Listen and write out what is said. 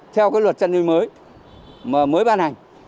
theo cái luật chăn nuôi mới mới ban hành